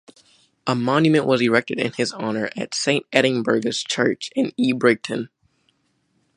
A monument was erected in his honour at Saint Eadburgha's Church in Ebrington.